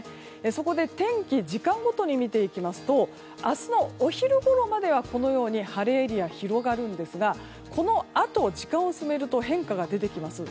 そこで、天気を時間ごとに見ていきますと明日のお昼ごろまでは晴れエリアが広がるんですがこのあと時間を進めると変化が出てきます。